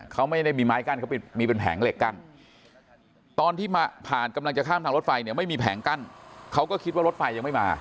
เขาไม่ได้มีไม้กั้นเขามีเป็นแผงเหล็กกั้นตอนที่มาผ่านกำลังจะข้ามทางรถไฟเนี่ยไม่มีแผงกั้นเขาก็คิดว่ารถไฟยังไม่มา